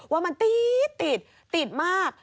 ว่ามันติ๊ดติดติดมาก